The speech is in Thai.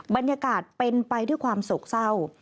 บรรยากาศเป็นไปด้วยความโศกเศร้า